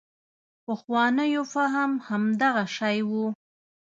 پخوانو فهم همدغه شی و.